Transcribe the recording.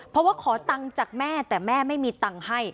เพราะว่าขอตังค์จากแม่แต่แม่ไม่มีตังค์ให้